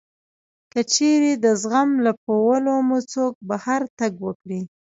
که چېرې د زغم له پولو مو څوک بهر تګ وکړي